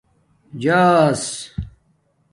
جآس